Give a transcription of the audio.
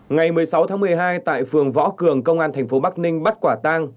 ngày một mươi sáu tháng một mươi hai tại phường võ cường công an thành phố bắc ninh bắt quả tang